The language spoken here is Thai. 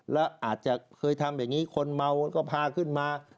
แล้วอาจจะเคยทำอย่างนี้คนเมาก็พาขึ้นมา